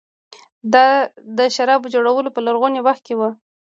د شرابو جوړول په لرغوني وخت کې وو